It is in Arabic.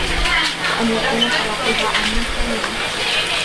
وَأَنْ يَكُونَ صَلَاحُهَا عَامًّا شَامِلًا